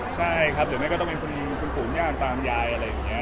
ใช่ครับเดี๋ยวนั่งไม่จะคนปูเงากันตามยายอะไรเนี่ย